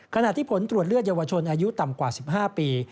ขณะที่ผลตรวจเลือดเยาวชนอายุต่ำกว่า๑๕ปี